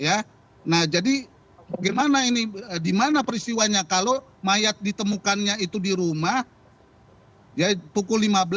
ya nah jadi gimana ini dimana peristiwanya kalau mayat ditemukannya itu di rumah ya pukul lima belas